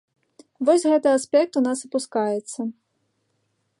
Вось гэты аспект у нас апускаецца.